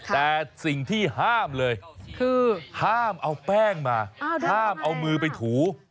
แต่สิ่งที่ห้ามเลยคือห้ามเอาแป้งมาห้ามเอามือไปถู